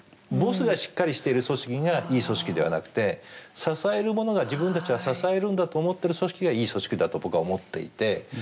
ボスがしっかりしてる組織がいい組織ではなくて支えるものが自分たちが支えるんだと思ってる組織がいい組織だと僕は思っていて。